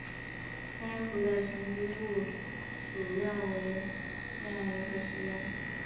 该湖的沉积物主要为天然碱和石盐。